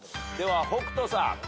では北斗さん。